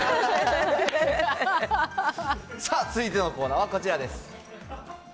さあ、続いてのコーナーはこちらです。